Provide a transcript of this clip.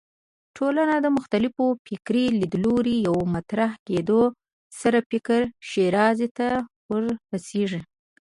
ټولنه مختلفو فکري لیدلوریو مطرح کېدو سره فکر ښېرازۍ ته ورسېږي